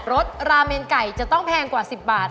สราเมนไก่จะต้องแพงกว่า๑๐บาท